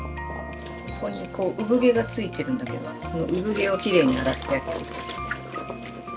ここにこう産毛がついてるんだけどその産毛をきれいに洗ってあげる。